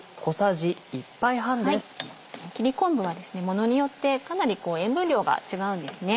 切り昆布はものによってかなり塩分量が違うんですね。